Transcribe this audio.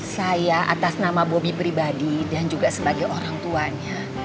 saya atas nama bobi pribadi dan juga sebagai orang tuanya